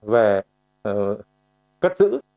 về cất giữ